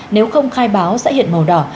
nếu không khai báo sẽ hiện màu đỏ